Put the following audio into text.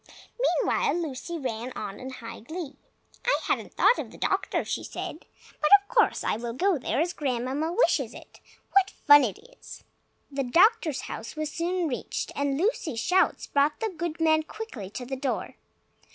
Meanwhile, Lucy ran on in high glee. "I hadn't thought of the doctor!" she said, "but of course I will go there, as Grandmamma wishes it. What fun it is!" The doctor's house was soon reached, and Lucy's shouts brought the good man quickly to the door.